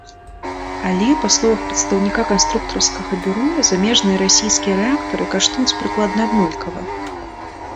Але, па словах прадстаўніка канструктарскага бюро, замежныя і расійскія рэактары каштуюць прыкладна аднолькава.